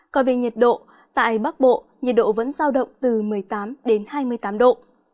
còn về nhiệt độ tại bắc bộ nhiệt độ vẫn giao động từ một mươi tám đến hai mươi tám độ